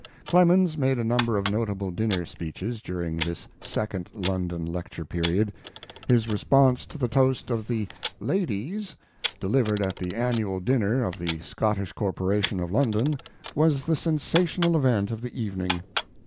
Clemens made a number of notable dinner speeches during this second London lecture period. His response to the toast of the "Ladies," delivered at the annual dinner of the Scottish Corporation of London, was the sensational event of the evening.